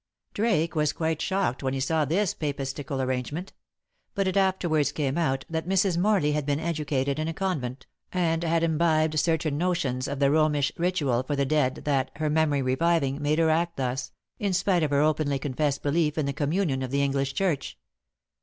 Drake was quite shocked when he saw this Papistical arrangement. But it afterwards came out that Mrs. Morley had been educated in a convent, and had imbibed certain notions of the Romish ritual for the dead that, her memory reviving, made her act thus, in spite of her openly confessed belief in the communion of the English Church.